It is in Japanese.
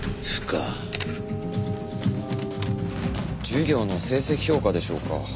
授業の成績評価でしょうか。